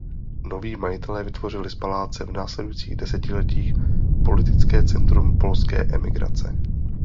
Noví majitelé vytvořili z paláce v následujících desetiletích politické centrum polské emigrace.